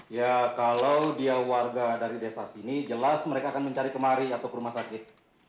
ya kalau dia warga dari desa sini jelas mereka akan mencari kemari atau ke rumah sakit